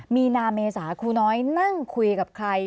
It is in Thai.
มีนาเมษาครูน้อยนั่งคุยกับใคร